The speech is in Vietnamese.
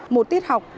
một tiết học